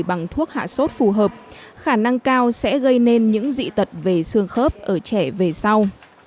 bằng thuốc hạ sốt phù hợp khả năng cao sẽ gây nên những dị tật về xương khớp ở trẻ về sau